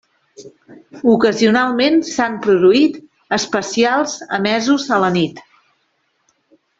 Ocasionalment s'han produït especials emesos a la nit.